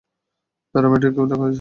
Paramedic ডাকা হয়েছে?